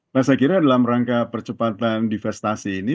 nah saya kira dalam rangka percepatan divestasi ini